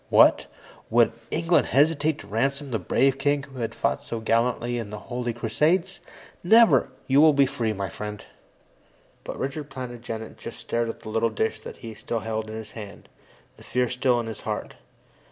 "What? Would England hesitate to ransom the brave king who has fought so gallantly in the Holy Crusades? Never! You will be free, my friend." But Richard Plantagenet just stared at the little dish that he still held in his hand, the fear still in his heart.